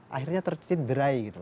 akhirnya tercincit berai